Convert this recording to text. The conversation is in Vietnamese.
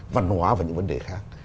văn hóa và những vấn đề khác